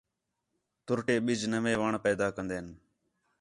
تُرٹے بِج نوئے وݨ پیدا کندیں